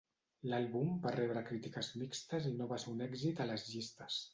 L'àlbum va rebre crítiques mixtes i no va ser un èxit a les llistes.